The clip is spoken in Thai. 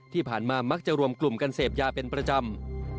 ที่ผ่านมามักจะรวมกลุ่มกันเสพยาเป็นประจำ